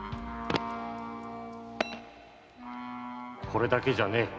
これだけじゃねぇ。